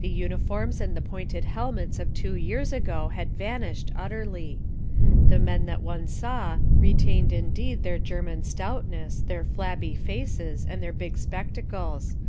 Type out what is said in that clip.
The uniforms and the pointed helmets of two years ago had vanished utterly. The men that one saw retained indeed their German stoutness, their flabby faces, and their big spectacles.